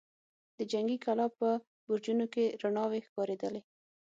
د جنګي کلا په برجونو کې رڼاوې ښکارېدلې.